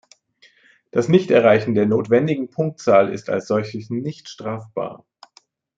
Das Nichterreichen der notwendigen Punktzahl ist als solches nicht strafbar.